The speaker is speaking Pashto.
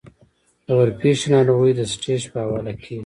د ورپېښې ناروغۍ د سټېج پۀ حواله کيږي -